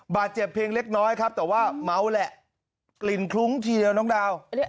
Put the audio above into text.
บาดเจ็บเพียงเล็กน้อยครับแต่ว่าเมาแหละกลิ่นคลุ้งทีเดียวน้องดาว